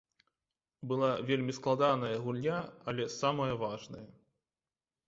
Была вельмі складаная гульня, але самая важная.